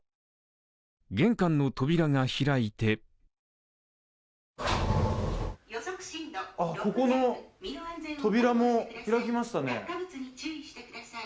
玄関の扉が開いてここの扉も開きましたね。